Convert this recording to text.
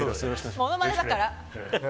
ものまねだから。